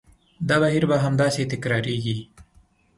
دا بهیر به همداسې تکرارېږي.